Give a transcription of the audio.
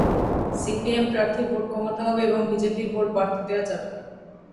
CPM প্রার্থীর vote কমাতে হবে এবং বিজেপির ভোট বাড়তে দেওয়া যাবে না।